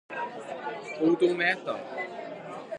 odometer